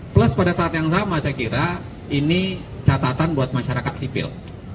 plus pada saat yang sama saya kira ini catatan buat masyarakat sipil